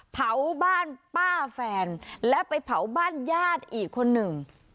เผาบ้านป้าแฟนและไปเผาบ้านญาติอีกคนหนึ่ง